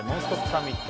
サミット。